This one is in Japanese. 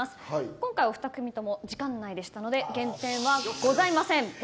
今回はお二方とも時間内でしたので減点はございません。